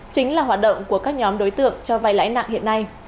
chính là hoạt động của các nhóm đối tượng cho vai lãi nặng hiện nay